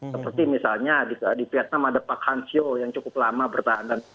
seperti misalnya di vietnam ada pak hansio yang cukup lama bertahan